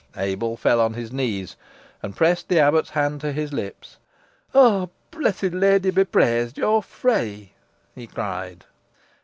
Abel fell on his knees, and pressed the abbot's hand to his lips. "Owr Blessed Leady be praised, yo are free," he cried.